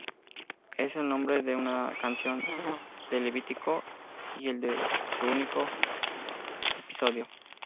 Es el nombre de una canción de Levítico y el de su único ep.